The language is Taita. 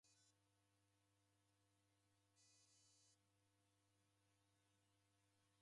Mtungi ghwachua machi gha vua